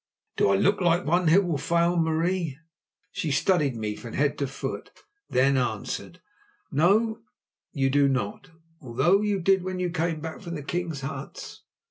"Do I look like one who will fail, Marie?" She studied me from head to foot, then answered: "No, you do not, although you did when you came back from the king's huts.